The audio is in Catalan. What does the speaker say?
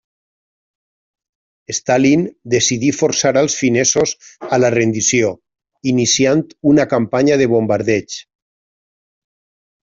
Stalin decidí forçar als finesos a la rendició, iniciant una campanya de bombardeigs.